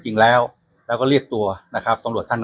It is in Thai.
ยืนยันว่าใครผิกก็ต้องรับโพธิตามนั้น